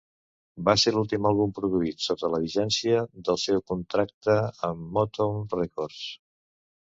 Va ser l"últim àlbum produït sota la vigència del seu contracte amb Motown Records.